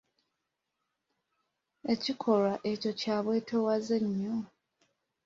Ekikolwa ekyo kya bwetoowaze nnyo.